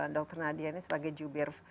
dr nadia ini sebagai jubir